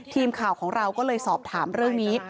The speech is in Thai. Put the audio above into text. ทีมข่าวของเราก็เลยสอบถามเรื่องนี้